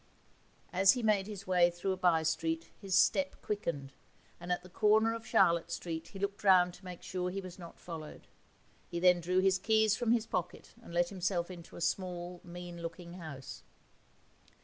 As he made his way through a bye street his step quickened, and at the corner of Charlotte Street he looked round to make sure he was not followed. He then drew his keys from his pocket and let himself into a small, mean looking house.